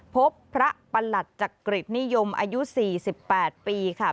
พบพระประหลัดจักริตนิยมอายุ๔๘ปีค่ะ